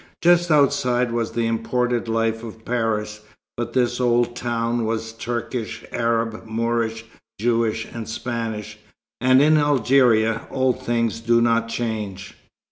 Just outside was the imported life of Paris, but this old town was Turkish, Arab, Moorish, Jewish and Spanish; and in Algeria old things do not change.